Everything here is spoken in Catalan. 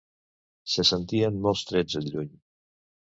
Se sentien molts trets, al lluny